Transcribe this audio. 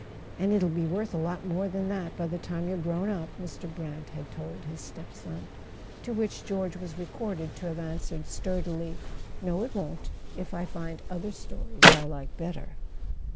" And it'll be worth a lot more than that by the time you're grown up," Mr. Brant had told his step son; to which George was recorded to have answered stur¬ dily: "No, it won't, if I find other stories I like better."